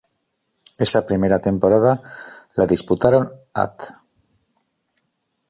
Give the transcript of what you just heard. Esa primera temporada la disputaron At.